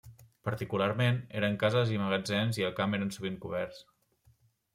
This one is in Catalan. Particularment eren cases i magatzems i al camp eren sovint coberts.